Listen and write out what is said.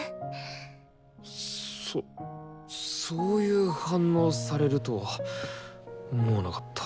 そっそういう反応されるとは思わなかった。